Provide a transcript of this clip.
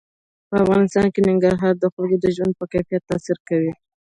په افغانستان کې ننګرهار د خلکو د ژوند په کیفیت تاثیر کوي.